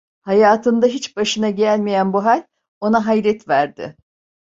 Hayatında hiç başına gelmeyen bu hal; ona hayret verdi.